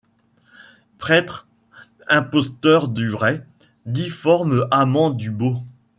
Prêtre imposteur du vrai, difforme amant du beau